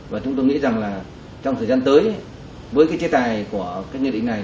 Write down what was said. và chúng tôi nghĩ rằng là trong thời gian tới với cái chế tài của cái nghị định này